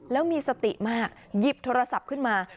แล้วมีสติมากหยิบโทรศัพท์ขึ้นมา